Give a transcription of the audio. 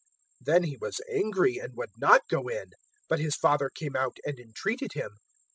015:028 "Then he was angry and would not go in. But his father came out and entreated him.